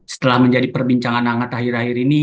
setelah menjadi perbincangan hangat akhir akhir ini